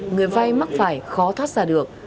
người vai mắc phải khó thoát ra được